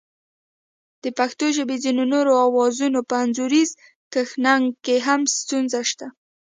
د پښتو ژبې ځینو نورو آوازونو په انځوریز کښنګ کې هم ستونزه شته